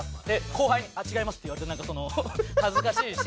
後輩に「違います」って言われてなんか恥ずかしいし。